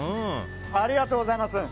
ありがとうございます。